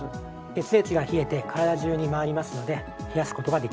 血液が冷えて体中に回りますので冷やす事ができます。